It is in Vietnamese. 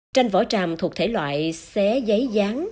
tranh vỏ tràm thuộc thể loại xé giấy gián